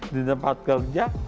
di tempat kerja